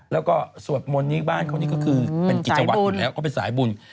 แล้วก็สวดมนต์นี้บ้านเขานี่ก็คือเป็นกิจวัตรอยู่แล้วเขาเป็นสายบุญ